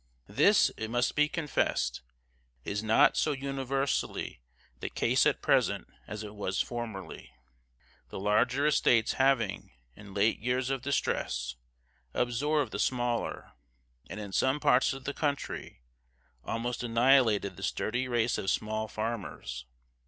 This, it must be confessed, is not so universally the case at present as it was formerly; the larger estates having, in late years of distress, absorbed the smaller, and, in some parts of the country, almost annihilated the sturdy race of small farmers.